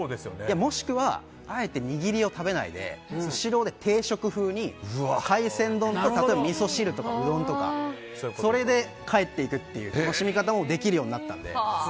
もしくはあえて握りを食べないでスシローで定食風に海鮮丼とみそ汁とかうどんとかそれで帰っていくという楽しみ方もできるようになったので。